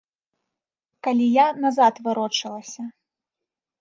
Калі я назад варочалася.